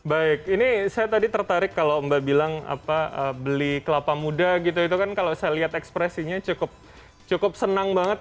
baik ini saya tadi tertarik kalau mbak bilang beli kelapa muda gitu itu kan kalau saya lihat ekspresinya cukup senang banget